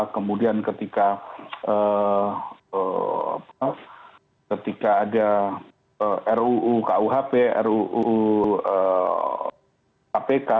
kemudian ketika ada ruu kuhp ruu kpk